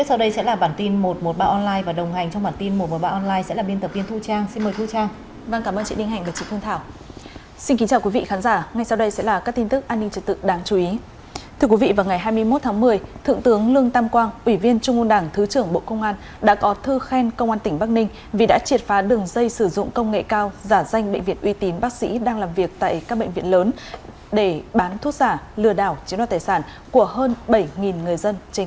chuyển phá đường dây sử dụng công nghệ cao giả danh bệnh viện uy tín bác sĩ đang làm việc tại các bệnh viện lớn để bán thuốc giả lừa đảo chiếm đoạt tài sản của hơn bảy người dân trên cả nước